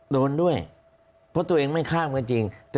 โดนด้วยเพราะตัวเองไม่ข้ามกันจริง